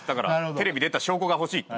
テレビ出た証拠が欲しいって。